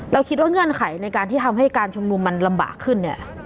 คิดว่าเงื่อนไขในการที่ทำให้การชุมนุมมันลำบากขึ้นเนี่ย